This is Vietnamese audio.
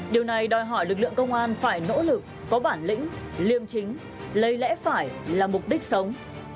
điều này đòi hỏi lực lượng công an phải nỗ lực có bản lĩnh liêm chính lấy lẽ phải là mục đích sống